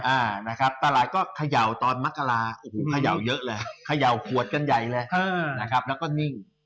อ่านะครับตลาดก็ขย่าวตอนมะกะลาขย่าวเยอะแหละขย่าวขวดกันใหญ่แล้วนะครับแล้วก็นิ่ง